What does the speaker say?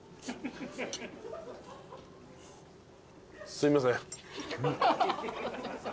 すいません。